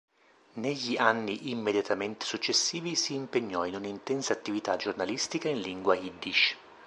Negli anni immediatamente successivi, si impegnò in una intensa attività giornalistica in lingua yiddish.